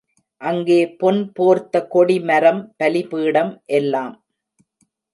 அங்கே பொன் போர்த்த கொடி மரம், பலிபீடம் எல்லாம்.